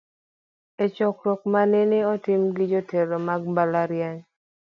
E chokruok manene otim gi jotelo mag mbalariany.